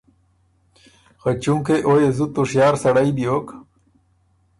خه چونکې او يې زُت هوشیار سړئ بیوک